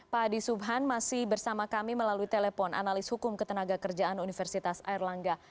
pak hadi subhan masih bersama kami melalui telepon analis hukum ketenagakerjaan universitas airlangga